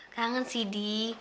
kangen sih di